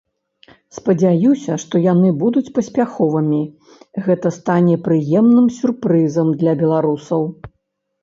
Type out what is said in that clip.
Спадзяюся, што яны будуць паспяховымі, гэта стане прыемным сюрпрызам для беларусаў.